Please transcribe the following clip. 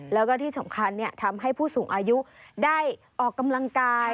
แล้วก็ที่สำคัญทำให้ผู้สูงอายุได้ออกกำลังกาย